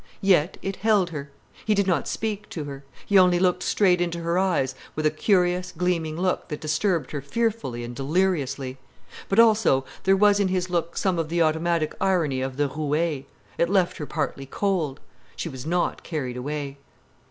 Yet it held her. He did not speak to her. He only looked straight into her eyes with a curious, gleaming look that disturbed her fearfully and deliriously. But also there was in his look some of the automatic irony of the roué. It left her partly cold. She was not carried away.